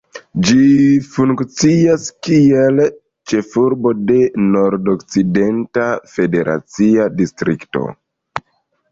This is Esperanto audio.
Ĝi funkcias kiel ĉefurbo de Nordokcidenta federacia distrikto.